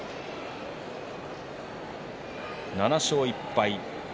７勝１敗。